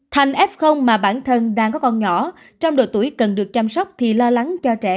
thành f mà bản thân đang có con nhỏ trong độ tuổi cần được chăm sóc thì lo lắng cho trẻ